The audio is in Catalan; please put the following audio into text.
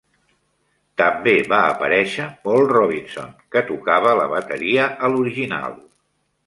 També va aparèixer Paul Robinson, que tocava la bateria a l'original.